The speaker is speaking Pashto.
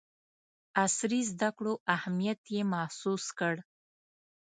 عصري زدکړو اهمیت یې محسوس کړ.